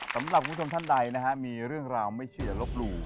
สำหรับคุณผู้ชมท่านใดนะฮะมีเรื่องราวไม่เชื่อลบหลู่